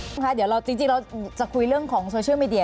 คุณคะเดี๋ยวเราจริงเราจะคุยเรื่องของโซเชียลมีเดีย